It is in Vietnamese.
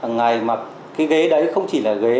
ngày mà cái ghế đấy không chỉ là ghế